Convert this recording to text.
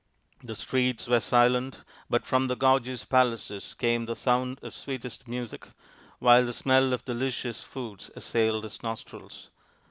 The streets were silent, but from the gorgeous palaces came the sound of sweetest music, while the smell of delicious foods assailed his nostrils.